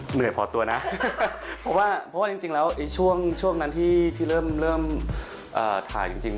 เหนื่อยพอตัวนะเพราะว่าจริงแล้วช่วงนั้นที่เริ่มถ่ายจริง